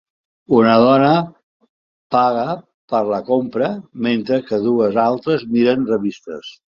Una dona paga per la compra mentre que dues altres miren revistes.